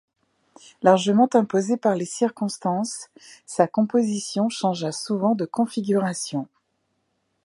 Largement imposée par les circonstances, sa composition changea souvent de configuration.